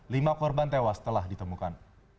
lima korban tewas telah ditemukan